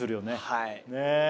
はい